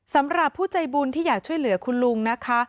สำหรับผู้ใจบุญที่อยากช่วยเหลือคุณลุงนะคะ